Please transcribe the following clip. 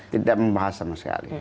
tidak membahas sama sekali